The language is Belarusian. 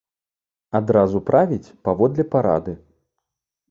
Адразу правіць паводле парады.